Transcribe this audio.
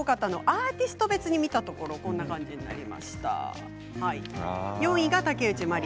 アーティスト別に見たものはこんな感じになりました。